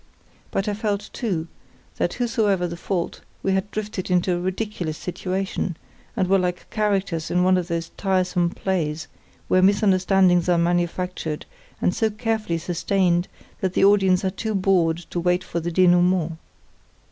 But I felt, too, that, whosesoever the fault, we had drifted into a ridiculous situation, and were like characters in one of those tiresome plays where misunderstandings are manufactured and so carefully sustained that the audience are too bored to wait for the _dénouement.